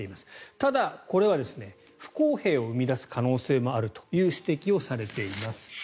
ただ、これは不公平を生み出す可能性もあるという指摘をされています。